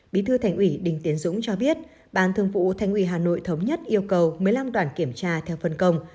bí thư thành ủy đình tiến dũng cho biết ban thường vụ thành ủy hà nội thống nhất yêu cầu một mươi năm đoàn kiểm tra theo phân công